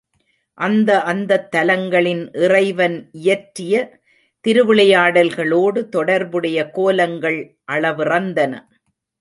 அந்த அந்தத் தலங்களின் இறைவன் இயற்றிய திருவிளையாடல்களோடு தொடர்புடைய கோலங்கள் அளவிறந்தன.